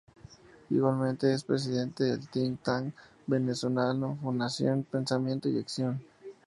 Igualmente es presidente del think tank venezolano Fundación Pensamiento y Acción.